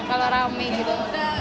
kalau rame gitu